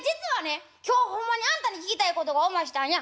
今日ほんまにあんたに聞きたいことがおましたんや。